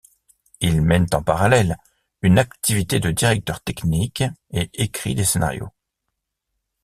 Il mène en parallèle une activité de directeur technique et écrit des scénarios.